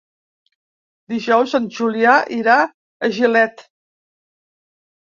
Dijous en Julià irà a Gilet.